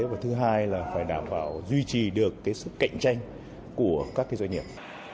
và thứ hai là phải đảm bảo duy trì được sức cạnh tranh của các doanh nghiệp